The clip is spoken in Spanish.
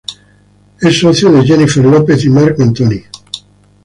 Él es socio de Jennifer Lopez y Marc Anthony.